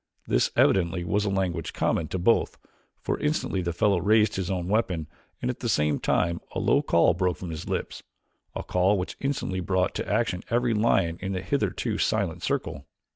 This, evidently, was a language common to both, for instantly the fellow raised his own weapon and at the same time a low call broke from his lips, a call which instantly brought to action every lion in the hitherto silent circle.